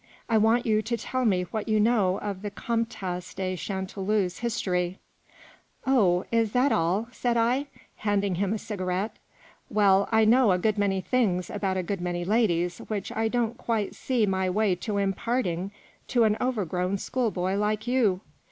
I want you to tell me what you know of the Comtesse de Chanteloup's history." " Oh, is that all ?" said I, handing him a cigarette. " Well, I know a good many things about a good many ladies which I don't quite see my way to imparting to an over grown school boy like you.